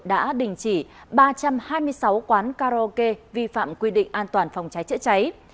đã đình chỉ ba trăm hai mươi sáu quán karaoke vi phạm quy định an toàn phòng cháy chữa cháy